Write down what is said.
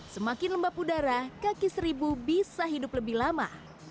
semakin lembab udara kaki seribu bisa hidup lebih lama